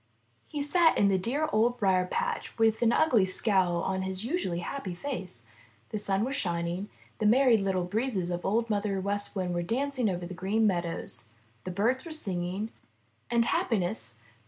He sat in the dear Old Briar patch with an ugly scowl on his usually happy face. The sun was shining, the Merry Little Breezes of Old Mother West Wind were dancing over the Green Meadows, the birds were singing, and happiness, the glad, *From The Adventures of Peter Cottontail.